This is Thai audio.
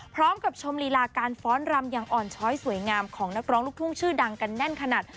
พร้อมกับชมลีลาการฟ้อนรำอย่างอ่อนช้อยสวยงามของนักร้องลูกทุ่งชื่อดังกันแน่นขนาด